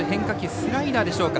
スライダーでしょうか。